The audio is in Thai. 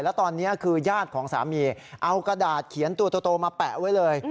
แล้วตอนนี้คือญาติของสามีเอากระดาษเขียนตัวโตมาแปะไว้เลย